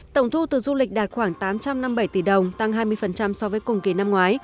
tổng thu từ du lịch đạt khoảng tám trăm năm mươi bảy tỷ đồng tăng hai mươi so với cùng kỳ năm ngoái